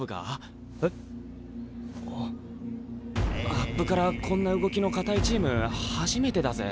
アップからこんな動きの硬いチーム初めてだぜ。